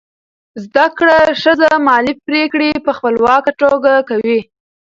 زده کړه ښځه مالي پریکړې په خپلواکه توګه کوي.